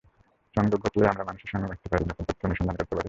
সংযোগ ঘটলেই আমরা মানুষের সঙ্গে মিশতে পারি, নতুন তথ্য অনুসন্ধান করতে পারি।